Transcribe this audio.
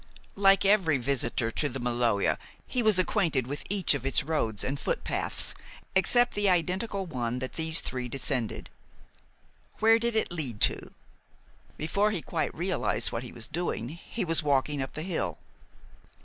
Like every visitor to the Maloja, he was acquainted with each of its roads and footpaths except the identical one that these three descended. Where did it lead to? Before he quite realized what he was doing, he was walking up the hill.